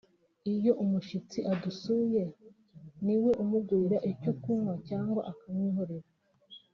iyo umushyitsi adusuye niwe umugurira icyo kunywa cyangwa akamwihorera